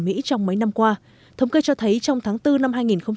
mỹ trong mấy năm qua thống kê cho thấy trong tháng bốn năm hai nghìn hai mươi